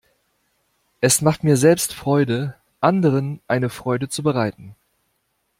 Es macht mir selbst Freude, anderen eine Freude zu bereiten.